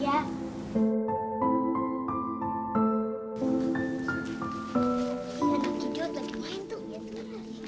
yang anak harus ikhlasin